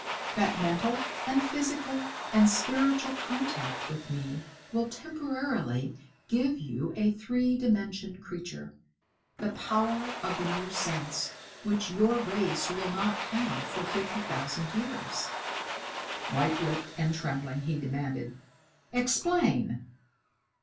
"That mental and physical and spiritual contact with me will temporarily give you, a three dimension creature, the power of the new sense, which your race will not have for fifty thousand years." White lipped and trembling, he demanded: "Explain!"